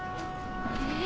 え。